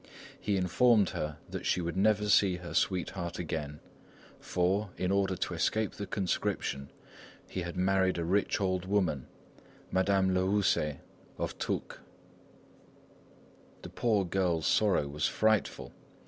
He informed her that she would never see her sweetheart again; for, in order to escape the conscription, he had married a rich old woman, Madame Lehoussais, of Toucques. The poor girl's sorrow was frightful.